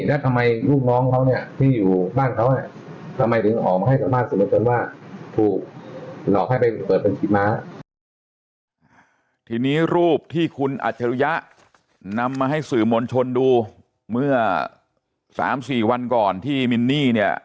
แล้วทำไมลูกน้องเขาเนี่ยที่อยู่บ้านเขาเนี่ยทำไมถึงออกมาให้สัมภาษณ์สู่วันจนว่าถูกหลอกให้ไปเปิดบัญชีม้า